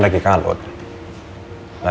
saya di ballet lah